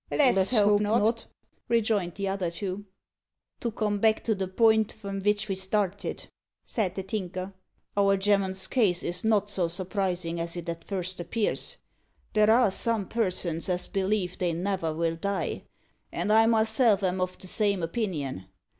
"Let's hope not," rejoined the other two. "To come back to the pint from vich we started," said the Tinker; "our gemman's case is not so surprisin' as it at first appears. There are some persons as believe they never will die and I myself am of the same opinion.